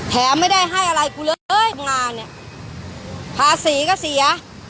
ไม่ได้ให้อะไรกูเลยเอ้ยงานเนี่ยภาษีก็เสีย